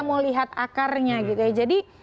mau lihat akarnya jadi